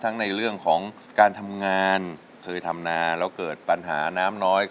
ในเรื่องของการทำงานเคยทำนาแล้วเกิดปัญหาน้ำน้อย